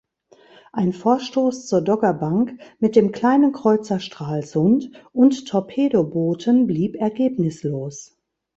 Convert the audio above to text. Ein Vorstoß zur Doggerbank mit dem Kleinen Kreuzer "Stralsund" und Torpedobooten blieb ergebnislos.